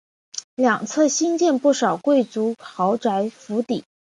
两侧兴建不少贵族豪宅府邸。